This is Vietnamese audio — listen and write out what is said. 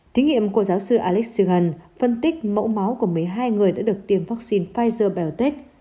thí nghiệm của giáo sư alex sagan phân tích mẫu máu của mấy hai người đã được tiêm vaccine pfizer biontech